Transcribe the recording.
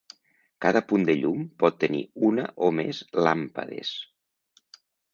Cada punt de llum pot tenir una o més làmpades.